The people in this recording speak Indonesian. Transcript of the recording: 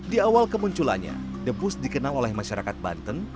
di awal kemunculannya debus dikenal oleh masyarakat banten